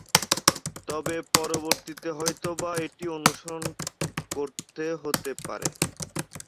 তবে, পরবর্তীতে হয়তোবা এটি অনুসরণ করতে হতে পারে।